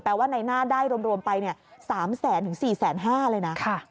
แปลว่านายนาได้รวมไป๓แสนถึง๔แสน๕เลยนะ